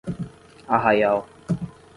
Arraial